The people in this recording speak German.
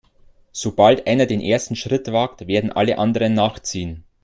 Sobald einer den ersten Schritt wagt, werden alle anderen nachziehen.